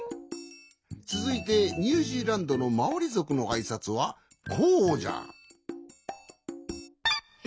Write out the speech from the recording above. つづいてニュージーランドのマオリぞくのあいさつはこうじゃ。え？